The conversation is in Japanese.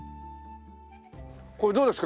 これどうですか？